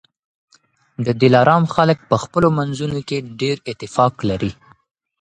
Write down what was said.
د دلارام خلک په خپلو منځونو کي ډېر اتفاق لري